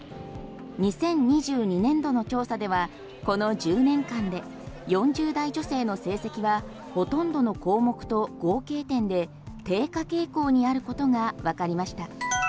２０２２年度の調査ではこの１０年間で４０代女性の成績はほとんどの項目と合計点で低下傾向にあることがわかりました。